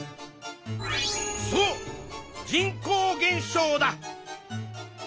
そう人口減少だ！